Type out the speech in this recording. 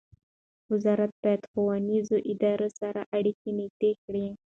وزارت باید د ښوونیزو ادارو سره اړیکې نږدې کړي.